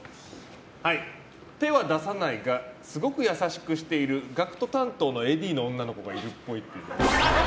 手は出さないがすごく優しくしているＧＡＣＫＴ担当のＡＤの女の子がいるっぽい。